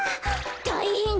たいへん！